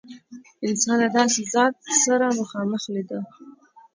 انسان له داسې ذات سره مخامخ لیده.